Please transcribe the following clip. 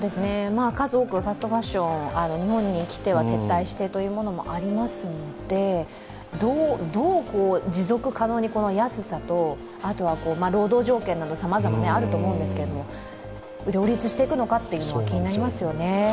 数多くファストファッション、日本に来ては撤退というのがありますので、どう持続可能に安さと、あとは労働条件などさまざまあると思うんですけど両立していくのかが気になりますよね。